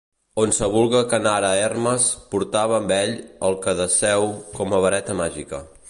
Onsevulga que anara Hermes portava amb ell el caduceu com a vareta màgica.